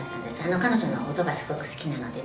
彼女の音がすごく好きなのでね